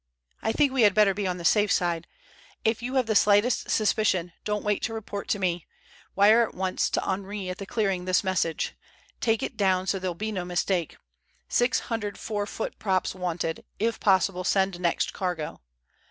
"I think we had better be on the safe side. If you have the slightest suspicion don't wait to report to me. Wire at once to Henri at the clearing this message—take it down so that there'll be no mistake—'Six hundred four foot props wanted. If possible send next cargo.